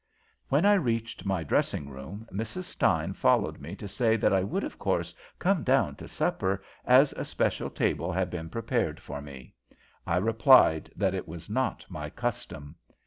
"When I reached my dressing room Mrs. Stein followed me to say that I would, of course, come down to supper, as a special table had been prepared for me. I replied that it was not my custom.